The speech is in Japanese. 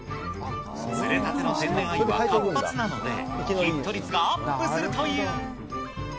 釣れたての天然あゆは活発なので、ヒット率がアップするという。